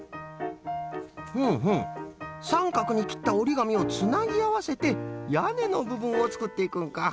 ふむふむさんかくにきったおりがみをつなぎあわせてやねのぶぶんをつくっていくんか。